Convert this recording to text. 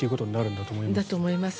だと思います。